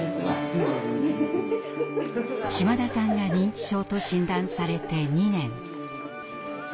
島田さんが認知症と診断されて２年。